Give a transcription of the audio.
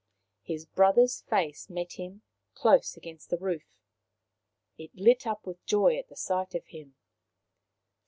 His brother's face met him, close against the roof. It lit up with joy at the sight of him.